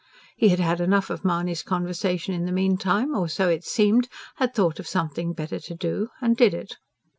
He had had enough of Mahony's conversation in the meantime, or so it seemed; had thought of something better to do, and did it.